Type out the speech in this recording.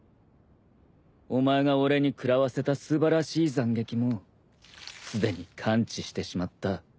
お前が俺に食らわせた素晴らしい斬撃もすでに完治してしまった。